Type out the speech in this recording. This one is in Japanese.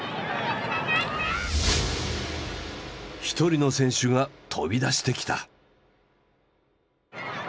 一人の選手が飛び出してきた。